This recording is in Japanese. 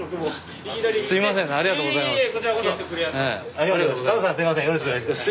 ありがとうございます。